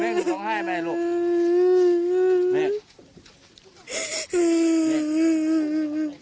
เมฆหนูต้องไห้ไปลูกเมฆ